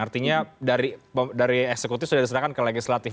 artinya dari eksekutif sudah diserahkan ke legislatif